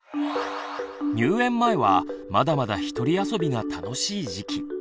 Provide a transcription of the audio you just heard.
入園前はまだまだひとり遊びが楽しい時期。